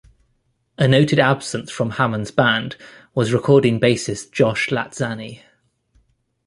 A noted absence from Hammond's band was recording bassist Josh Latzanni.